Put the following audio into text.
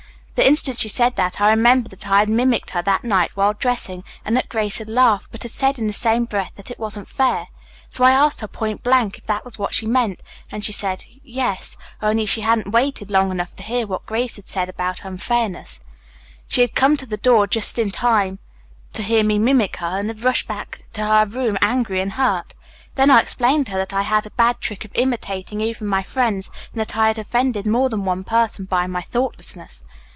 "The instant she said that I remembered that I had mimicked her that night while dressing and that Grace had laughed, but had said in the same breath, that it wasn't fair. So I asked her point blank if that was what she meant, and she said 'yes,' only she hadn't waited long enough to hear what Grace had said about unfairness. She had come to the door just in time to hear me mimic her, and had rushed back to her room angry and hurt. Then I explained to her that I had a bad trick of imitating even my friends, and that I had offended more than one person by my thoughtlessness.